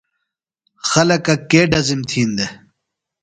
خلکہ کے ڈزِم تھین دےۡ؟